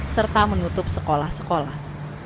serta menutup sekolah sekolah